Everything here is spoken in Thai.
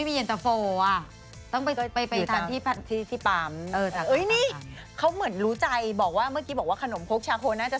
มีใครอยู่ในตำก็ต้องไปที่ปำ